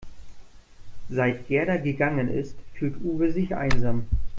Seit Gerda gegangen ist, fühlt Uwe sich einsam.